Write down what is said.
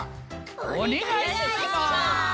おねがいします！